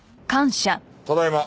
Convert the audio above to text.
ただいま。